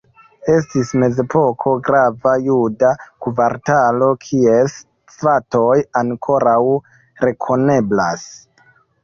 Estis mezepoke grava juda kvartalo, kies stratoj ankoraŭ rekoneblas.